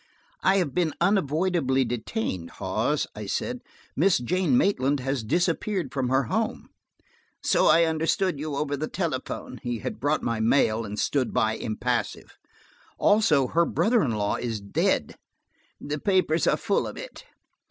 "I've been unavoidably detained, Hawes," I said, "Miss Jane Maitland has disappeared from her home." "So I understood you over the telephone." He had brought my mail and stood by impassive. "Also, her brother in law is dead." "The papers are full of it."